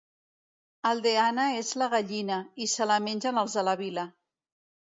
Aldeana és la gallina, i se la mengen els de la vila.